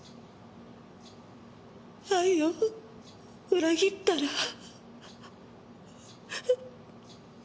愛を裏切ったら。